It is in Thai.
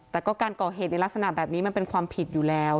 แต่ก็การก่อเหตุในลักษณะแบบนี้มันเป็นความผิดอยู่แล้ว